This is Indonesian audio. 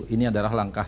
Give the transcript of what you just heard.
ini adalah langkah